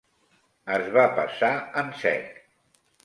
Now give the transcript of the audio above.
Es va pesar en sec.